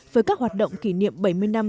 với các hoạt động kỷ niệm bảy mươi năm toàn cầu